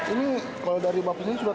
ini kalau dari mbak punggung sudah